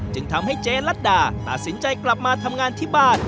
จึงทำให้เจ๊ลัดดาตัดสินใจกลับมาทำงานที่บ้าน